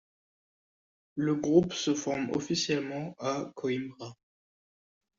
Le groupe se forme officiellement à Coimbra.